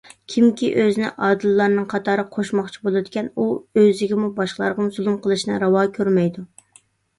كىمكى ئۆزىنى ئادىللارنىڭ قاتارىغا قوشماقچى بولىدىكەن، ئۇ ئۆزىگىمۇ، باشقىلارغىمۇ زۇلۇم قىلىشنى راۋا كۆرمەيدۇ.